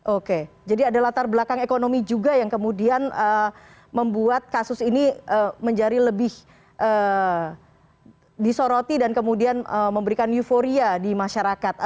oke jadi ada latar belakang ekonomi juga yang kemudian membuat kasus ini menjadi lebih disoroti dan kemudian memberikan euforia di masyarakat